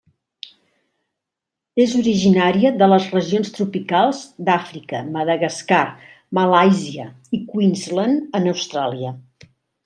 És originària de les regions tropicals d'Àfrica, Madagascar, Malàisia i Queensland en Austràlia.